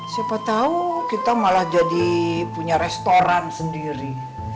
siapa tahu kita malah jadi punya restoran sendiri